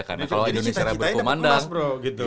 kalau indonesia raya berpemandang